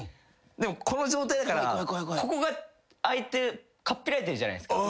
でもこの状態だからここが開いてるじゃないですか。